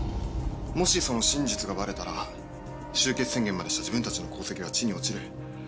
もしその真実がバレたら終結宣言までした自分たちの功績は地に落ちる。